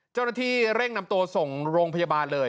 เจ้าหน้าที่เร่งนำตัวส่งโรงพยาบาลเลย